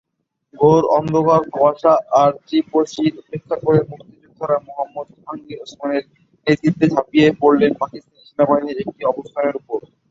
ঘোর অন্ধকার, কুয়াশা আর তীব্র শীত উপেক্ষা করে মুক্তিযোদ্ধারা মোহাম্মদ জাহাঙ্গীর ওসমানের নেতৃত্বে ঝাঁপিয়ে পড়লেন পাকিস্তানি সেনাবাহিনীর একটি অবস্থানের ওপর।